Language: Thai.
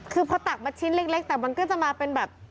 คือพอตักมาชิ้นเล็กแต่มันก็จะมาเป็นแบบ